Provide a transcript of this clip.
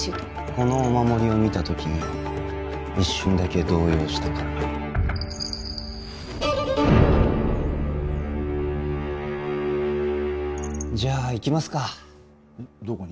このお守りを見た時一瞬だけ動揺したからじゃあ行きますかどこに？